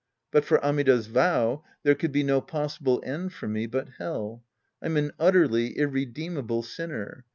But for Amida's vow, there could be no possible end for me but Hell. I'm an utterly irredeemable sinner.